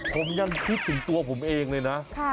ผมยังคิดถึงตัวผมเองเลยนะ